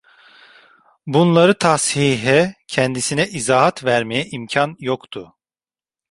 Bunları tashihe, kendisine izahat vermeye imkan yoktu.